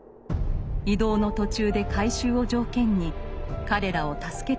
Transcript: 移動の途中で改宗を条件に彼らを助けたのでした。